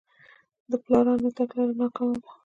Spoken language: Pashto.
د پلانرانو تګلاره ناکامه ده.